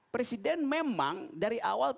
presiden memang dari awal